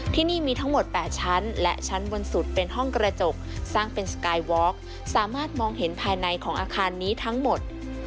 ที่นี่มีทั้งหมด๘ชั้นและชั้นบนสุดเป็นห้องกระจกสร้างเป็นสกายวอล์กสามารถมองเห็นภายในของอาคารนี้ทั้งหมด